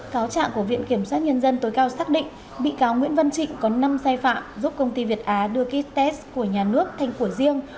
cáo trạng của viện kiểm soát nhân dân tối cao xác định bị cáo nguyễn văn trịnh có năm sai phạm giúp công ty việt á đưa ký test của nhà nước thành của riêng